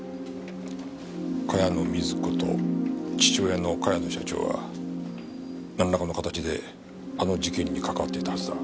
茅野瑞子と父親の茅野社長はなんらかの形であの事件に関わってたはずだ。